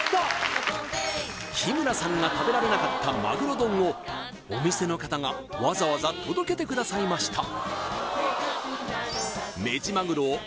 日村さんが食べられなかったマグロ丼をお店の方がわざわざ届けてくださいました